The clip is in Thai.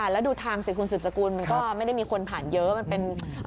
ใช่ค่ะแล้วดูทางสิทธิ์คุณศึกษากุลมันก็ไม่ได้มีคนผ่านเยอะ